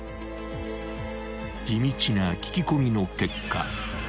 ［地道な聞き込みの結果］